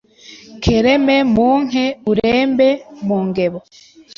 “Kereme mu nke urembe mu ngebo